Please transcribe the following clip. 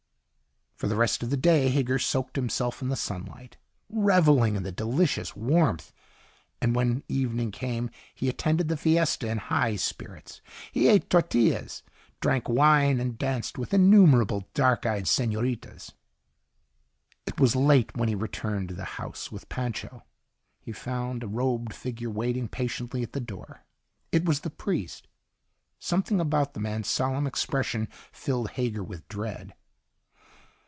For the rest of the day, Hager soaked himself in the sunlight, reveling in the delicious warmth. And when evening came he attended the fiesta in high spirits. He ate tortillas, drank wine, and danced with innumerable dark eyed senoritas. It was late when he returned to the house with Pancho. He found a robed figure waiting patiently at the door. It was the priest. Something about the man's solemn expression filled Hager with dread.